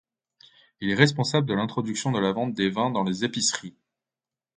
Il est responsable de l'introduction de la vente des vins dans les épiceries.